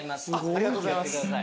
ありがとうございます。